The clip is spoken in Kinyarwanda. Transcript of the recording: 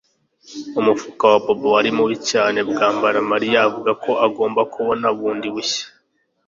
Umufuka wa Bobo wari mubi cyane kwambara Mariya avuga ko agomba kubona bundi bushya